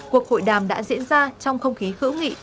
cuộc hội đàm đã diễn ra trong không khí hữu nghị